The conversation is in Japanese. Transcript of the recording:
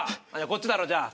こっちだろじゃあ。